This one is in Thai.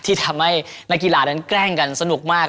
ที่ทำให้นักกีฬานั้นแกล้งกันสนุกมาก